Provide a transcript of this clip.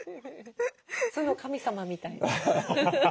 酢の神様みたい。